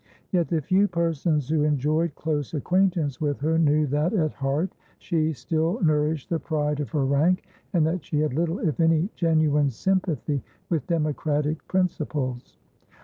Yet the few persons who enjoyed close acquaintance with her knew that, at heart, she still nourished the pride of her rank, and that she had little if any genuine sympathy with democratic principles.